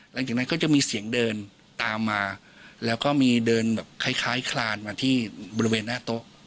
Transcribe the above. หลังจากนั้นก็จะมีเสียงเดินตามมาแล้วก็มีเดินแบบคล้ายคลานมาที่บริเวณหน้าโต๊ะ